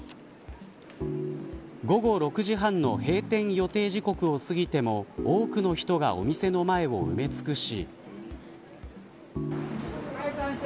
午後６時半の閉店予定時刻をすぎても多くの人がお店の前を埋め尽くし。